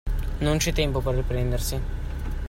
Non c'è tempo per riprendersi.